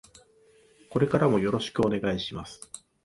これからもよろしくお願いします。